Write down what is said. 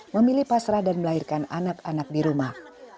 memilih pasrah dan melahirkan anak anak di rumah